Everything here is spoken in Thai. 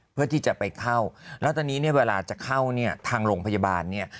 เพื่อที่จะไปเข้าแล้วตอนนี้เนี่ยเวลาจะเข้าเนี่ยทางโรงพยาบาลเนี่ย